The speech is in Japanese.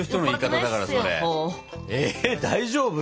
え大丈夫？